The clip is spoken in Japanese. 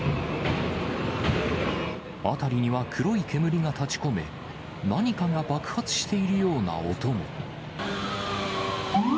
辺りには黒い煙が立ちこめ、何かが爆発しているような音も。